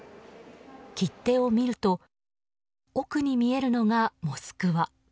切手を見ると奥に見えるのが「モスクワ」。